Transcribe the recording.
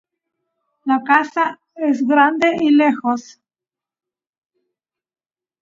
Se basa en la caza, la pesca y la explotación forestal.